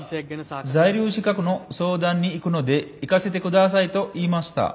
在留資格の相談に行くので行かせてくださいと言いました。